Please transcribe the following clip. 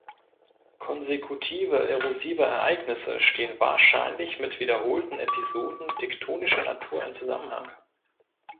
Konsekutive erosive Ereignisse stehen wahrscheinlich mit wiederholten Episoden tektonischer Natur in Zusammenhang.